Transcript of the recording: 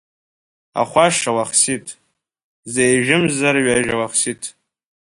Ахәаша Уахсиҭ, зежәымзар ҩажәа Уахсиҭ.